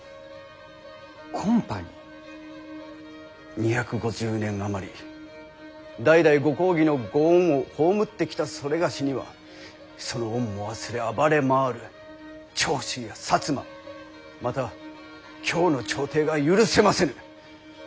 ２５０年余り代々ご公儀のご恩を蒙ってきた某にはその恩も忘れ暴れ回る長州や摩また京の朝廷が許せませぬ。